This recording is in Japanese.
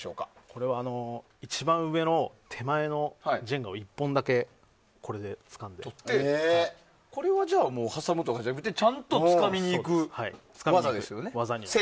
これは一番上の手前のジェンガを１本だけこれは、じゃあ挟むとかじゃなくてちゃんとつかみにいく技ですよね。